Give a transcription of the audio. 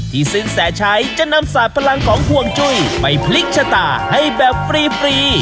สินแสชัยจะนำสาดพลังของห่วงจุ้ยไปพลิกชะตาให้แบบฟรี